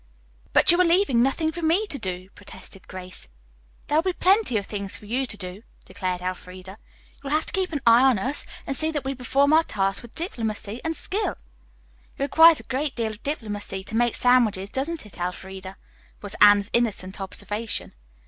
"But you are leaving nothing for me to do," protested Grace. "There will be plenty of things for you to do," declared Elfreda. "You will have to keep an eye on us and see that we perform our tasks with diplomacy and skill." "It requires a great deal of diplomacy to make sandwiches, doesn't it, Elfreda?" was Anne's innocent observation.